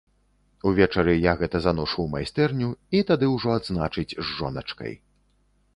Увечары я гэта заношу ў майстэрню, і тады ўжо адзначыць з жоначкай.